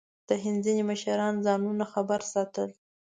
د هند ځینې مشران ځانونه خبر ساتل.